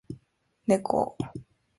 猫